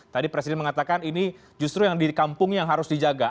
tadi presiden mengatakan ini justru yang di kampung yang harus dijaga